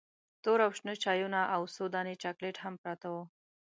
تور او شنه چایونه او څو دانې چاکلیټ هم پراته وو.